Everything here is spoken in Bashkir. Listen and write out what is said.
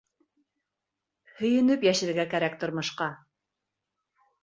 Һөйөнөп йәшәргә кәрәк тормошҡа.